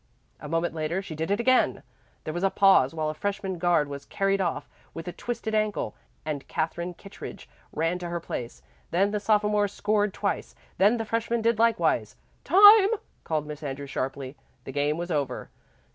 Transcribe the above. A moment later she did it again. There was a pause while a freshman guard was carried off with a twisted ankle and Katherine Kittredge ran to her place. Then the sophomores scored twice. Then the freshmen did likewise. "Time!" called Miss Andrews sharply. The game was over.